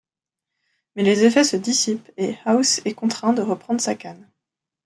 Mais les effets se dissipent et House est contraint de reprendre sa canne.